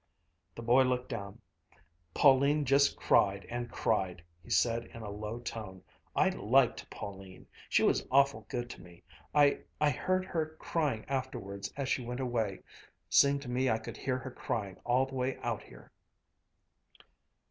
The boy looked down. "Pauline just cried and cried," he said in a low tone. "I liked Pauline! She was awful good to me. I I heard her crying afterwards as she went away. Seemed to me I could hear her crying all the way out here."